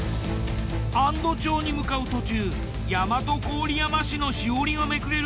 安堵町に向かう途中大和郡山市のしおりがめくれる。